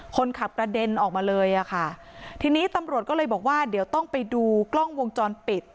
คนขับกระเด็นออกมาเลยอ่ะค่ะทีนี้ตำรวจก็เลยบอกว่าเดี๋ยวต้องไปดูกล้องวงจรปิด